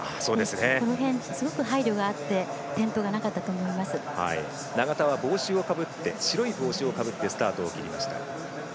この辺、すごく配慮があって永田は白い帽子をかぶってスタートを切りました。